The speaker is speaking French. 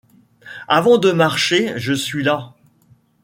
Avant de marcher, je suis las